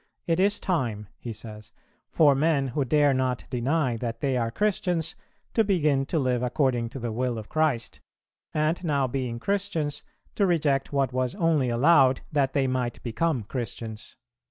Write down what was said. "It is time," he says, "for men who dare not deny that they are Christians, to begin to live according to the will of Christ, and, now being Christians, to reject what was only allowed that they might become Christians."